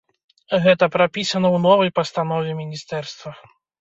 Гэта прапісана ў новай пастанове міністэрства.